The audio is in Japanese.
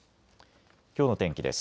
きょうの天気です。